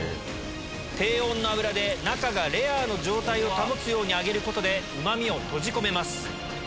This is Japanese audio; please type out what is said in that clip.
低温の油で中がレアの状態を保つように揚げることでうまみを閉じ込めます。